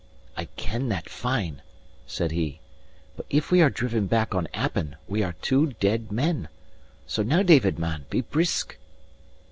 "I ken that fine," said he; "but if we are driven back on Appin, we are two dead men. So now, David man, be brisk!"